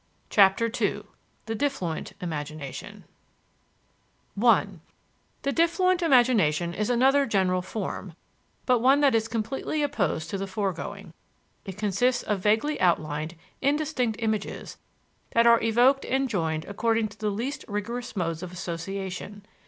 CHAPTER II THE DIFFLUENT IMAGINATION I The diffluent imagination is another general form, but one that is completely opposed to the foregoing. It consists of vaguely outlined, indistinct images that are evoked and joined according to the least rigorous modes of association.